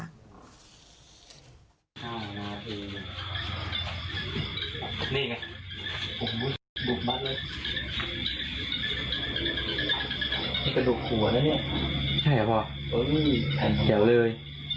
นี่กระดูกหัวนะเนี่ยใช่หรอพ่อเอ้ยเกี่ยวเลย